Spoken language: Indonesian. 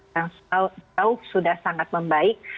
yang jauh sudah sangat membaik